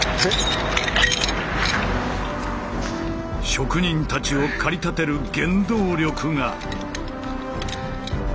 職人たちを駆り立てる原動力が。